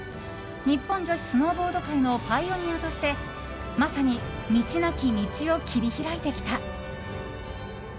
日本女子スノーボード界のパイオニアとしてまさに道なき道を切り開いてきた。